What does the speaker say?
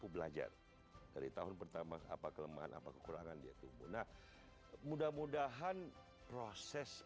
belajar dari tahun pertama apa kelemahan apa kekurangan dia tumbuh nah mudah mudahan proses